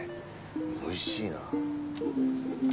おいしいな。